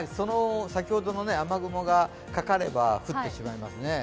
先ほどの雨雲がかかれば降ってしまいますね。